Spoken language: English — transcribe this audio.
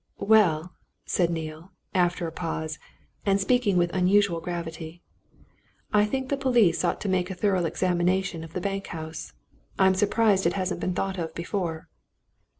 "Well," said Neale, after a pause, and speaking with unusual gravity, "I think the police ought to make a thorough examination of the bank house I'm surprised it hasn't been thought of before."